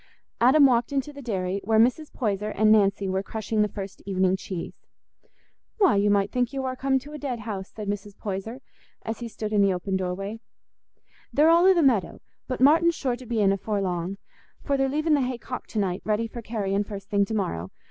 Adam walked into the dairy, where Mrs. Poyser and Nancy were crushing the first evening cheese. "Why, you might think you war come to a dead house," said Mrs. Poyser, as he stood in the open doorway; "they're all i' the meadow; but Martin's sure to be in afore long, for they're leaving the hay cocked to night, ready for carrying first thing to morrow.